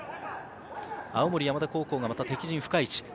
青森山田高校が敵陣深い位置。